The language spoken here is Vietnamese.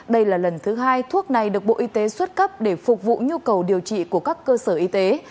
đây là lần thứ hai thuốc này được bộ y tế xuất cấp để phục vụ nhu cầu điều trị của các cơ sở y tế